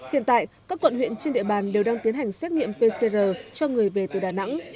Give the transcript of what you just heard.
hiện tại các quận huyện trên địa bàn đều đang tiến hành xét nghiệm pcr cho người về từ đà nẵng